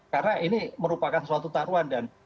karena ini merupakan suatu taruhan dan